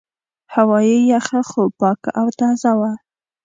هوا یې یخه خو پاکه او تازه وه.